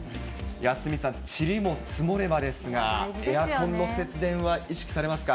鷲見さん、ちりも積もればですが、エアコンの節電は意識されますか？